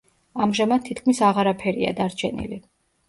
ამჟამად თითქმის აღარაფერია დარჩენილი.